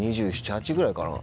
２７２８ぐらいかな